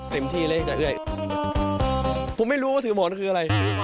ผมไม่รู้ว่าถือหมอนคืออะไร